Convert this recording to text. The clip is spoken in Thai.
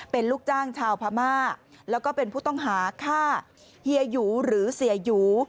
เป็นลูกจ้างชาวพม่าแล้วก็เป็นผู้ต้องหาฆ่าเฮียหยูหรือเสียหยู